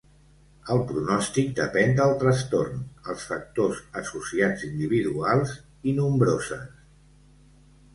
El pronòstic depèn del trastorn, els factors associats individuals i nombroses.